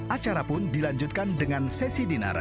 acara pun dilanjutkan dengan sesi dinara